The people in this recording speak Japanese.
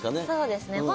そうですね。